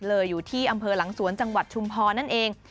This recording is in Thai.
อยู่ที่อำเภอหลังสวนจังหวัดชุมพรนั่นเอง